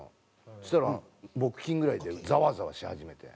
そしたら木金ぐらいでざわざわし始めて。